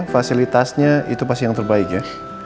fasilitasnya itu pasti yang terbaik ya